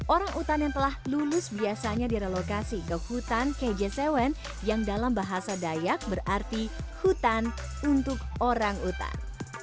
orang utan yang telah lulus biasanya direlokasi ke hutan kj sewn yang dalam bahasa dayak berarti hutan untuk orang utan